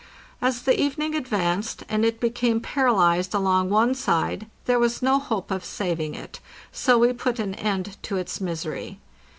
As the evening advanced, and it became paralyzed along one side, there was no hope of saving it, so we put an end to its misery.